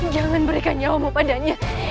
jangan berikan nyawa mu padanya